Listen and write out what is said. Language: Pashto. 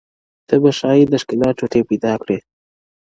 ته به ښايی د ښکلا ټوټې پیدا کړې -